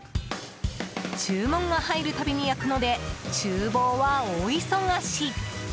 注文が入る度に焼くので厨房は大忙し。